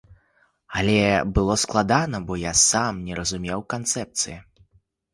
Але было складана, бо я сам не разумеў канцэпцыі.